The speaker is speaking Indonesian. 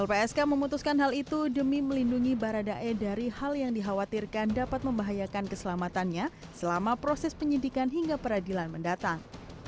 lpsk memutuskan hal itu demi melindungi baradae dari hal yang dikhawatirkan dapat membahayakan keselamatannya selama proses penyidikan hingga peradilan mendatang